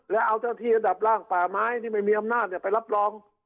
และเอาเจ้าที่ระดับล่างป่าไม้ที่ไม่มีอำนาจไปรับรอง